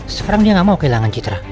sekarang dia gak mau kehilangan citra